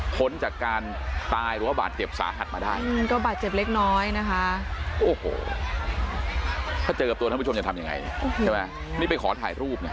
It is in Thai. ก็เจอกับตัวท่านผู้ชมจะทำยังไงก็ลืมใช่ไหมนี่ไปขอถ่ายรูปเนี้ย